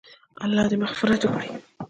الله دې مغفرت وکړي -